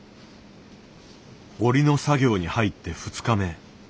織りの作業に入って２日目。